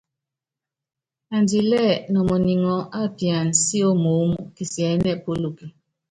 Andilɛ́ nɔmɔniŋɔɔ́ ápiana síomoómú, kisiɛ́nɛ́ polóke.